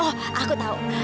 oh aku tahu